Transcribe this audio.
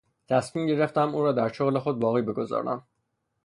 تصمیم گرفتم او را در شغل خود باقی بگذارم.